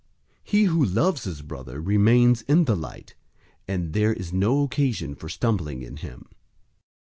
002:010 He who loves his brother remains in the light, and there is no occasion for stumbling in him.